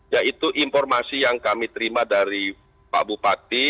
ya itu informasi yang kami terima dari pak bupati